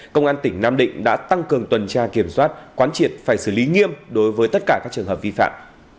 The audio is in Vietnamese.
công an tỉnh nam định đã tăng cường tuần tra kiểm soát quán triệt phải xử lý nghiêm đối với tất cả các trường hợp vi phạm